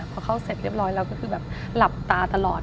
พอเข้าเสร็จเรียบร้อยแล้วก็คือแบบหลับตาตลอด